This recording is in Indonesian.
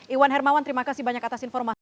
iwan hermawan terima kasih banyak atas informasi